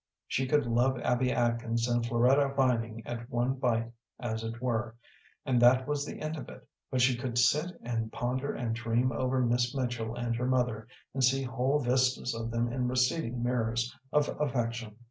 She could love Abby Atkins and Floretta Vining at one bite, as it were, and that was the end of it, but she could sit and ponder and dream over Miss Mitchell and her mother, and see whole vistas of them in receding mirrors of affection.